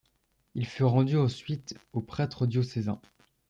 Il fut rendu ensuite aux prêtres diocésains.